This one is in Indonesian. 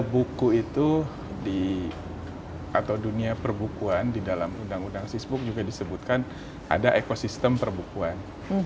buku itu di atau dunia perbukuan di dalam undang undang facebook juga disebutkan ada ekosistem perbukuan